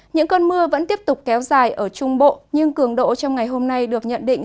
những cơn mưa vẫn tiếp tục kéo dài ở trung bộ nhưng cường độ trong ngày hôm nay được nhận định